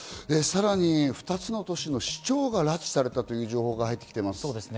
さらに２つの都市の市長が拉致されたという情報が入っています。